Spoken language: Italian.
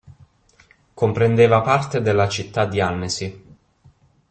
Comprendeva parte della città di Annecy.